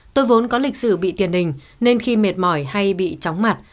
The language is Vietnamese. tôi vốn có lịch sử bị tiền hình nên khi mệt mỏi hay bị tróng mặt